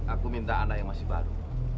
aku minta anak yang masih baru